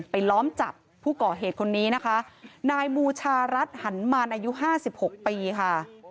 ล้อมจับผู้ก่อเหตุคนนี้นะคะนายบูชารัฐหันมารอายุห้าสิบหกปีค่ะ